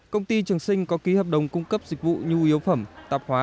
công ty trường sinh có ký hợp đồng cung cấp dịch vụ nhu yếu phẩm tạp hóa